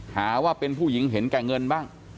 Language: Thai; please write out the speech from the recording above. หาว่าเป็นผู้หญิงเห็นแก่เงินบ้าง